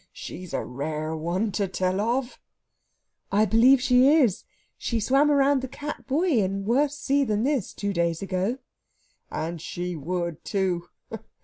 She's a rare one, to tell of!" "I believe she is. She swam round the Cat Buoy in a worse sea than this two days ago." "And she would, too!"